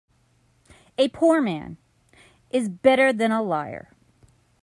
A poor man is better than a liar.